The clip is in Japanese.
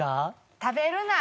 食べるなら。